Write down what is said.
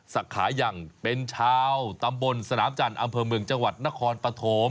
สาขายังเป็นชาวตำบลสนามจันทร์อำเภอเมืองจังหวัดนครปฐม